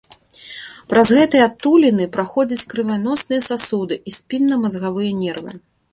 Праз гэтыя адтуліны праходзяць крывяносныя сасуды і спіннамазгавыя нервы.